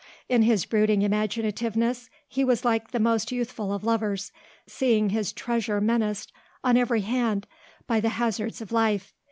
In his brooding imaginativeness he was like the most youthful of lovers, seeing his treasure menaced on every hand by the hazards of life.